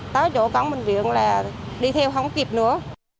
tới chỗ cổng bệnh viện là đi theo không kịp nữa